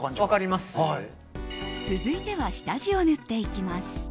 続いては下地を塗っていきます。